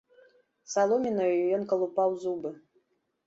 Саломінаю ён калупаў зубы.